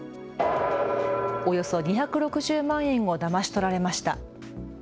およそ２６０万円をだまし取られました。